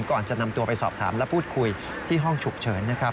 ก่อนจะนำตัวไปสอบถามและพูดคุยที่ห้องฉุกเฉินนะครับ